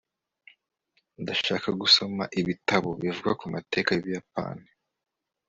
ndashaka gusoma ibitabo bivuga ku mateka y'ubuyapani